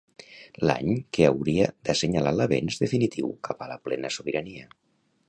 L'any que hauria d'assenyalar l'avenç definitiu cap a la plena sobirania.